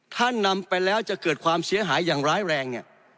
ถ้านำไปแล้วจะเกิดความเสียหายอย่างร้ายแรงเนี่ย